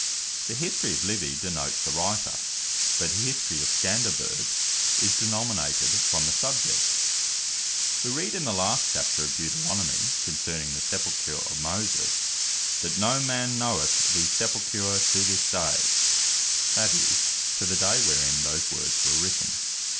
The History Of Livy, denotes the Writer; but the History Of Scanderbeg, is denominated from the subject. We read in the last Chapter of Deuteronomie, Ver. 6. concerning the sepulcher of Moses, "that no man knoweth of his sepulcher to this day," that is, to the day wherein those words were written.